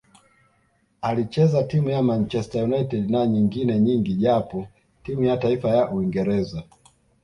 Alicheza timu za Manchester United na nyengine nyingi japo timu ya taifa ya Uingereza